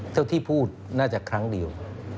ที่พูดน่าจะครั้งเดียว